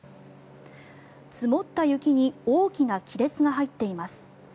積もった雪に大きな亀裂が入っています。